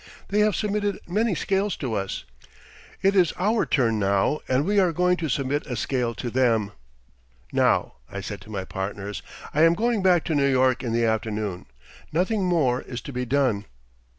They have submitted many scales to us. It is our turn now, and we are going to submit a scale to them. "Now," I said to my partners, "I am going back to New York in the afternoon. Nothing more is to be done."